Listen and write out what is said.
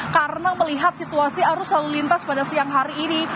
karena melihat situasi arus lalu lintas pada siang hari ini